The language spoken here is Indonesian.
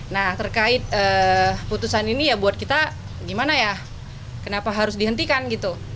nah terkait putusan ini ya buat kita gimana ya kenapa harus dihentikan gitu